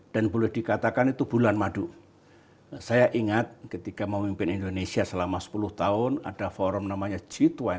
dan boleh dikatakan itu bulan madu saya ingat ketika memimpin indonesia selama sepuluh tahun ada forum namanya g dua puluh